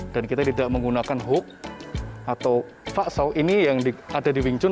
dan kita tidak menggunakan hook atau faksaw ini yang ada di wing chun